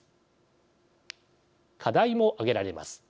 課題も挙げられます。